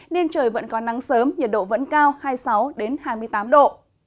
nên trời vẫn có nắng sớm nhiệt độ vẫn cao hai mươi sáu hai mươi tám độ